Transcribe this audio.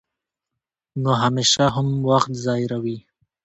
نو همېشه هم وخت ظاهروي